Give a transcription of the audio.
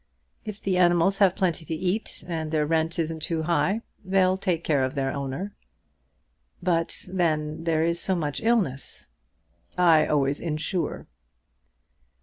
If the animals have plenty to eat, and the rent isn't too high, they'll take care of their owner." "But then there is so much illness." "I always insure."